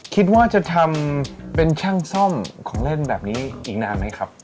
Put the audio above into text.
คิดว่าจะทำเป็นช่างซ่อมของเล่นแบบนี้อีกนานไหมครับ